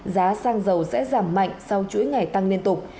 giá xăng dầu sẽ giảm mạnh sau chuỗi ngày tăng liên tục